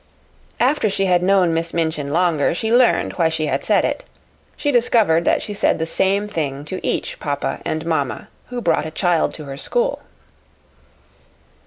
After she had known Miss Minchin longer she learned why she had said it. She discovered that she said the same thing to each papa and mamma who brought a child to her school.